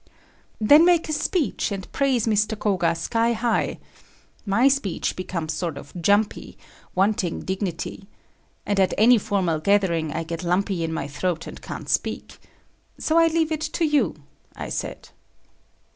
"Then make a speech and praise Mr. Koga sky high. My speech becomes sort of jumpy, wanting dignity. And at any formal gathering, I get lumpy in my throat, and can't speak. So I leave it to you," I said.